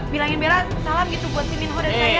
bilangin bella salam gitu buat si minho dan saya